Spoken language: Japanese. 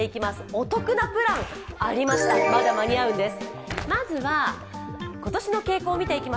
お得なプランありました、まだ間に合うんです。